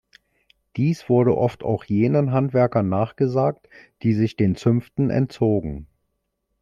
Dies wurde oft auch jenen Handwerkern nachgesagt, die sich den Zünften entzogen.